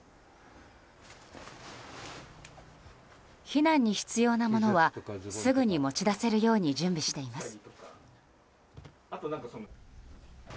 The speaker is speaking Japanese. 避難に必要なものはすぐに持ち出せるように準備しています。